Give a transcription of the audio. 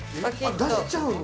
出しちゃうんだ。